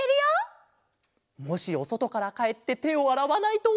もしおそとからかえっててをあらわないと。